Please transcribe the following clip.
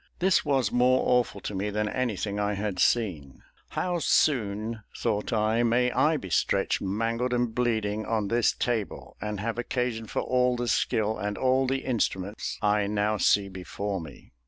This was more awful to me than anything I had seen. "How soon," thought I, "may I be stretched, mangled and bleeding, on this table, and have occasion for all the skill and all the instruments I now see before me!"